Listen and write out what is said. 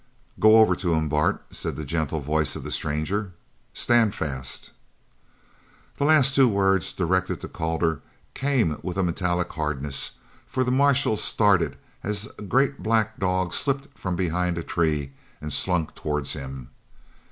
"Go over to him, Bart," said the gentle voice of the stranger. "Stand fast!" The last two words, directed to Calder came, with a metallic hardness, for the marshal started as a great black dog slipped from behind a tree and slunk towards him.